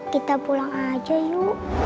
kita pulang aja yuk